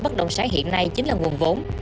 bất động sản hiện nay chính là nguồn vốn